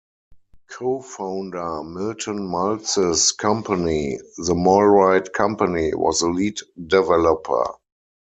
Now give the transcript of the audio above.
Co-founder Milton Maltz's company, The Malrite Company, was the lead developer.